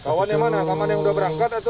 kawan yang mana kawan yang udah berangkat atau